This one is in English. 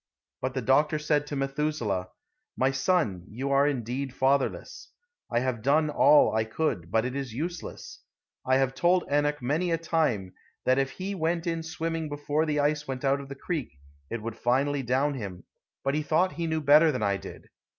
But the doctor said to Methuselah: "My son, you are indeed fatherless. I have done all I could, but it is useless. I have told Enoch many a time that if he went in swimming before the ice went out of the creek it would finally down him, but he thought he knew better than I did.